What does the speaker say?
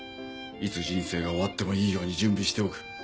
いつ人生が終わってもいいように準備しておく。